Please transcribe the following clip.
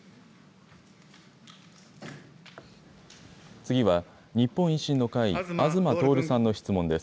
次は、日本維新の会、東徹さんの質問です。